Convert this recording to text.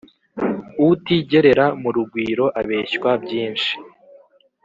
• utigerera mu rugwiro abeshywa byinshi